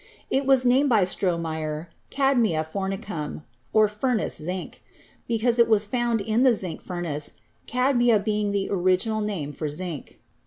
It was named by Stro meyer "cadmia fornicum" (furnace zinc), because it was found in the zinc furnace, cadmia being the original name for zinc.